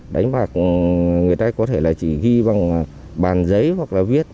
đánh bạc người ta có thể là chỉ ghi bằng bàn giấy hoặc là viết